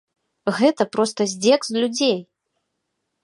Гэта проста здзек з людзей.